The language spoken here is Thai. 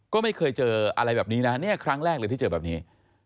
ก็ไม่เคยเจออะไรแบบนี้นะเนี่ยครั้งแรกเลยที่เจอแบบนี้